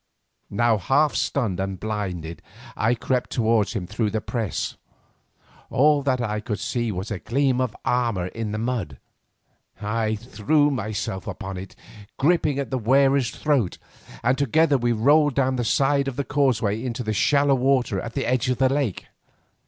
Now half stunned and blinded I crept towards him through the press. All that I could see was a gleam of armour in the mud. I threw myself upon it, gripping at the wearer's throat, and together we rolled down the side of the causeway into the shallow water at the edge of the lake.